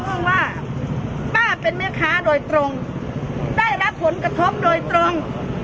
รองว่าป้าเป็นเมียขาได้รับผลกระทบโดยตรง